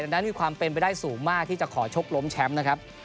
นั้นมีความเป็นไปได้สูงมากที่จะขอชกล้มแชมป์นะครับ